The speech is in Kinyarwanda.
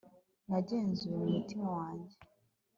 nagenzuye mu mutima wanjye